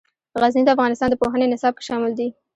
غزني د افغانستان د پوهنې نصاب کې شامل دي.